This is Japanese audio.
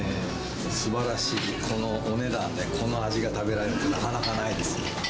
すばらしい、このお値段でこの味が食べられる、なかなかないですね。